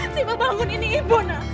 tiba bangun ini ibu nak